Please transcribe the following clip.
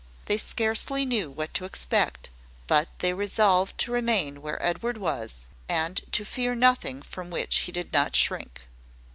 They scarcely knew what to expect; but they resolved to remain where Edward was, and to fear nothing from which he did not shrink.